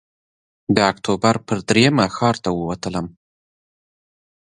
د اکتوبر پر درېیمه ښار ته ووتلم.